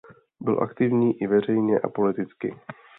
Byl aktivní i veřejně a politicky.